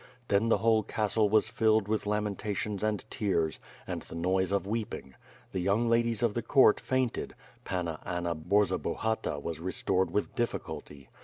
Then the whole castle was filled with lamentations and tears, and the noise of weep ing. The young ladies of the court fainted, Panna Anna Borzobohata was restored with difficulty.